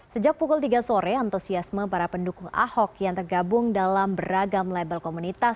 sejak pukul tiga sore antusiasme para pendukung ahok yang tergabung dalam beragam label komunitas